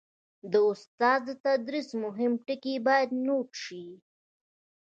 د استاد د تدریس مهم ټکي باید نوټ شي.